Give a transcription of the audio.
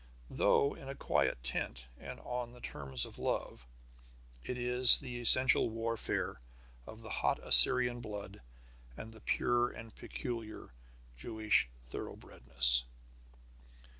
Though in a quiet tent, and on the terms of love, it is the essential warfare of the hot Assyrian blood and the pure and peculiar Jewish thoroughbredness.